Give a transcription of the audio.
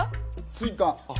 ・スイカあ